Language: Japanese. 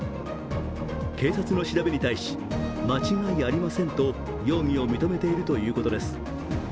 警察の調べに対し、間違いありませんと容疑を認めているということです。